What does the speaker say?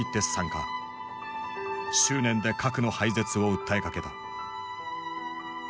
執念で核の廃絶を訴えかけた。